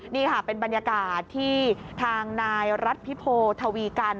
นี่ค่ะเป็นบรรยากาศที่ทางนายรัฐพิโพทวีกัน